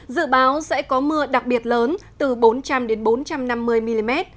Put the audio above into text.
dự báo sẽ có mưa đặc biệt lớn từ bốn trăm linh bốn trăm năm mươi mm